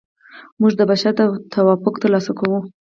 موږ د بشر توافق ترلاسه کوو.